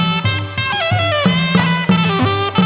กลับไปด้วย